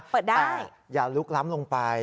เปิดได้อย่าลุกล้ำลงไป